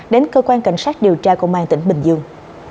đến cơ quan cảnh sát điều tra công an tỉnh bình dương